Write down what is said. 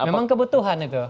memang kebutuhan itu